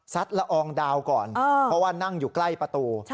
ละอองดาวก่อนเพราะว่านั่งอยู่ใกล้ประตู